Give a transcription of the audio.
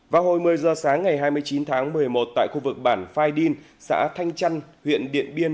vào hồi một mươi giờ sáng ngày hai mươi chín tháng một mươi một tại khu vực bản phai điên xã thanh trăn huyện điện biên